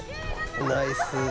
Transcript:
ナイス。